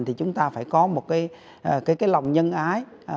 thì chúng ta phải có một cái lòng nhân ái